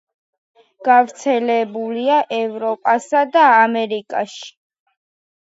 გავრცელებულია ევროპასა და ამერიკაში.